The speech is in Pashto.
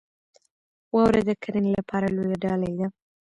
واوره د کرنې لپاره لویه ډالۍ ده.